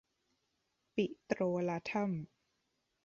ปิโตรลาทัม